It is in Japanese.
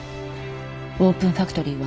オープンファクトリーは？